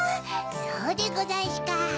そうでござんしゅか。